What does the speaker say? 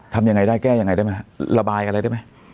ทำยังไงได้แก้ยังไงด้วยมั้ยระบายอะไรได้มั้ย